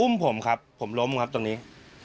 ผมครับผมล้มครับตรงนี้